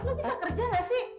lo bisa kerja gak sih